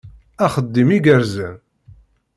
Axeddim igerrzen!